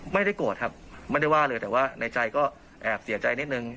ไม่ได้โกรธครับไม่ได้ว่าเลยแต่ว่าในใจก็แอบเสียใจนิดนึง